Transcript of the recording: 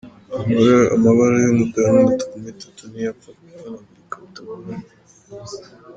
Amabara y’umukara n’umutuku muri tattoo ni yo apfa guhanagurika bitagoranye.